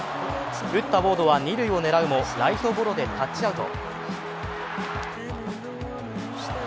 打ったウォードは二塁を狙うもライトゴロでタッチアウト。